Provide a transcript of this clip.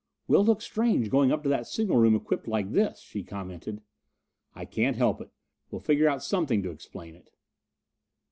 "We'll look strange going up to that signal room equipped like this," she commented. "I can't help it. We'll figure out something to explain it."